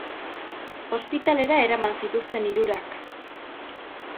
Ospitalera eraman zituzten hirurak.